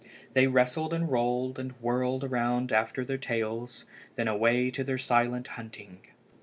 They wrestled and rolled and whirled around after their tails. Then away to their silent hunting!